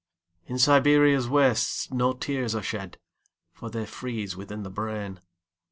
In Siberia's wastesNo tears are shed, For they freeze within the brain.